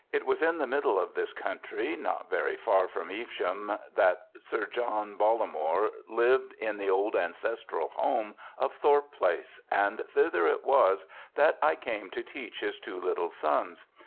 It was in the middle of this country, not very far from Evesham, that Sir John Bollamore lived in the old ancestral home of Thorpe Place, and thither it was that I came to teach his two little sons.